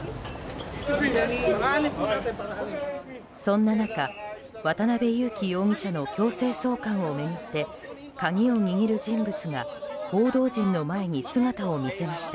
そんな中、渡邉優樹容疑者の強制送還を巡って鍵を握る人物が報道陣の前に姿を見せました。